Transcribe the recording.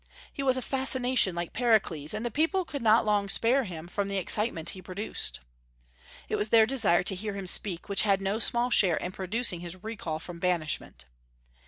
He was a fascination like Pericles, and the people could not long spare him from the excitement he produced. It was their desire to hear him speak which had no small share in producing his recall from banishment.